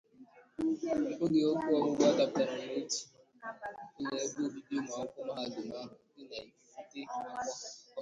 oge ọkụ ọgbụgba dapụtara n'otu ụlọ ebe obibi ụmụakwụkwọ mahadum ahụ dị n'Ifite Awka